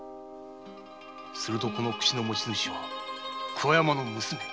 するとこの櫛の持ち主は桑山の娘。